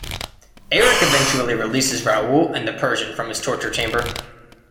Erik eventually releases Raoul and the Persian from his torture chamber.